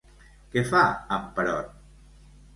Què fa en Perot?